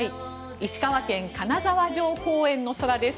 石川県・金沢城公園の空です。